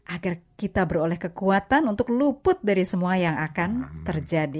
agar kita beroleh kekuatan untuk luput dari semua yang akan terjadi